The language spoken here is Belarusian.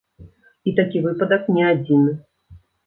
І такі выпадак не адзіны.